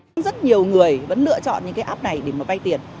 nhưng rất nhiều người vẫn lựa chọn những cái app này để mà vay tiền